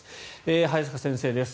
早坂先生です。